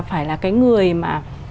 phải là cái người mà